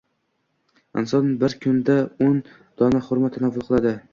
Inson bir kunda o‘n dona xurmo tanovvul qiladi